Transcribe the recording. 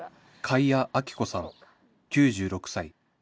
貝谷アキ子さん９６歳